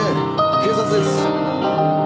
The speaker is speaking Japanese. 警察です。